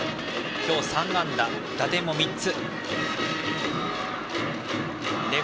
３安打、打点も３つ。